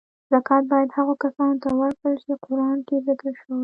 زکات باید هغو کسانو ته ورکړل چی قران کې ذکر شوی .